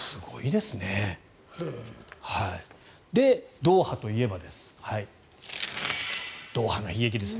で、ドーハといえばです。